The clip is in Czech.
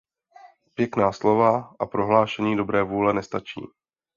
Pěkná slova a prohlášení dobré vůle nestačí.